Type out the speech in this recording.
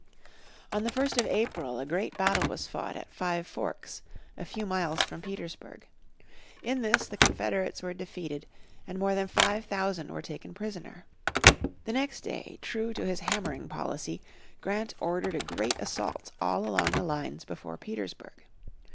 On the 1st of April a great battle was fought at Five Forks, a few miles from Petersburg. In this the Confederates were defeated, and more than five thousand were taken prisoner. The next day, true to his hammering policy, Grant ordered a great assault all along the lines before Petersburg.